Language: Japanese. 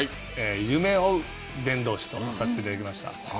夢追う伝道師とさせていただきました。